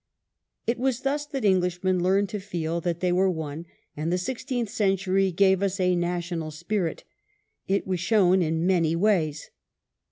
It was thus that Englishmen learnt to feel that they were one, and the sixteenth century gave us a national spirit. It was shown in many ways.